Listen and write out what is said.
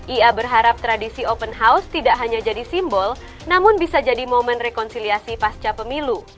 ia berharap tradisi open house tidak hanya jadi simbol namun bisa jadi momen rekonsiliasi pasca pemilu